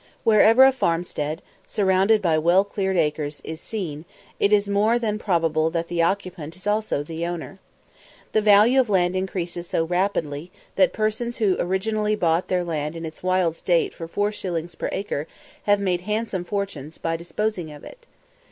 Wherever a farmstead, surrounded by its well cleared acres, is seen, it is more than probable that the occupant is also the owner. The value of land increases so rapidly, that persons who originally bought their land in its wild state for 4_s._ per acre, have made handsome fortunes by disposing of it.